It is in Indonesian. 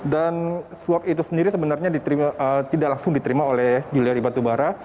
dan suap itu sendiri sebenarnya tidak langsung diterima oleh juliari batubara